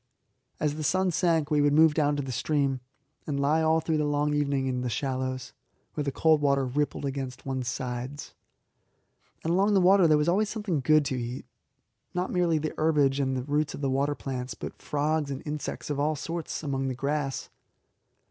As the sun sank we would move down to the stream, and lie all through the long evening in the shallows, where the cold water rippled against one's sides. And along the water there was always something good to eat not merely the herbage and the roots of the water plants, but frogs and insects of all sorts among the grass.